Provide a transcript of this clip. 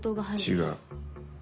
違う。